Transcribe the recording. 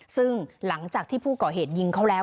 ซึ่งหลังจากที่ผู้ก่อเหตุยิงเขาแล้ว